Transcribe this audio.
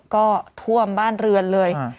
ก็ท่วมบ้านเรือนเลย